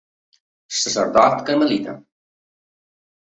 Sacerdot carmelita.